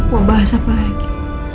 mau bahas apa lagi